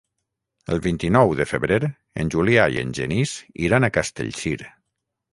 El vint-i-nou de febrer en Julià i en Genís iran a Castellcir.